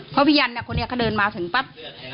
พอพี่ยันเนี่ยคนนี้เขาเดินมาถึงปั๊บ